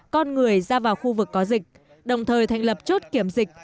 con người ra vào khu vực có dịch đồng thời thành lập chốt kiểm dịch